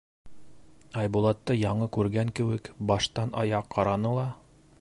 Айбулатты яңы күргән кеүек, баштан аяҡ ҡараны ла: